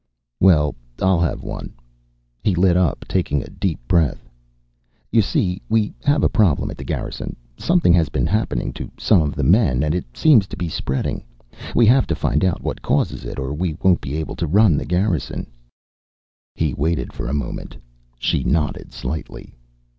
"Well, I'll have one." He lit up, taking a deep breath. "You see, we have a problem at the Garrison. Something has been happening to some of the men, and it seems to be spreading. We have to find out what causes it or we won't be able to run the Garrison." He waited for a moment. She nodded slightly.